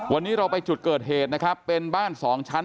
วันนี้เราไปจุดเกิดเหตุนะครับเป็นบ้านสองชั้น